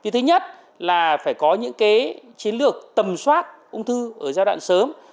thứ nhất là phải có những chiến lược tầm soát ung thư ở giai đoạn sớm